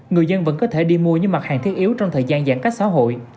người dân vẫn có thể đi mua những mặt hàng thiết yếu trong thời gian giãn cách xã hội